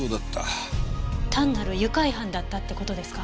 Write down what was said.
単なる愉快犯だったって事ですか？